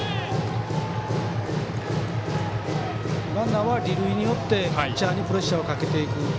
ランナーは二塁に寄ってピッチャーにプレッシャーかけていく。